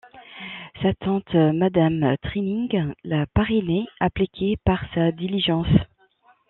Sa tante Madame Trining l'a parrainé, appliquée par sa diligence.